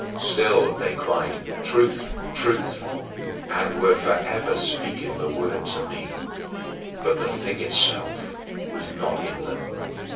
Still they cried, "Truth, Truth," and were forever speaking the word to me. But the thing itself was not in them.